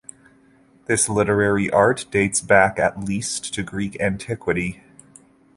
This literary art dates back, at least, to Greek antiquity.